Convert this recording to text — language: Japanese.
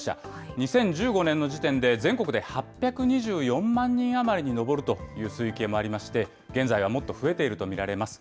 ２０１５年の時点で全国で８２４万人余りに上るという推計もありまして、現在はもっと増えていると見られます。